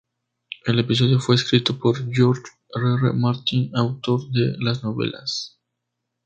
El episodio fue escrito por George R. R. Martin, autor de las novelas.